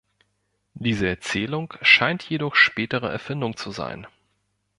Diese Erzählung scheint jedoch spätere Erfindung zu sein.